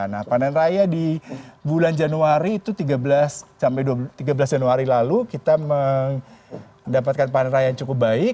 nah panen raya di bulan januari itu tiga belas sampai tiga belas januari lalu kita mendapatkan panen raya yang cukup baik